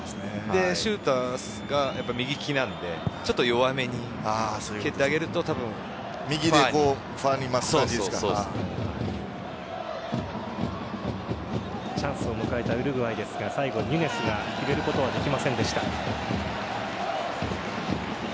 シュートが右利きなので弱めに蹴ってあげるとチャンスを迎えたウルグアイですが最後はヌニェスが決めることはできませんでした。